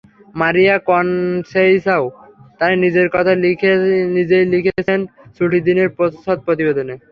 মারিয়া Conceicao তাঁর নিজের কথা নিজেই লিখেছেন ছুটির দিনের প্রচ্ছদ প্রতিবেদনে।